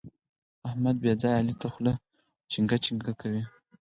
احمد بې ځايه علي ته خوله چينګه چینګه کوي.